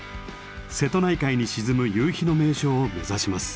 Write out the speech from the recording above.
瀬戸内海に沈む夕日の名所を目指します。